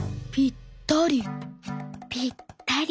「ぴったり」。